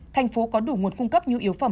thành phố có đủ nguồn cung cấp nhu yếu phẩm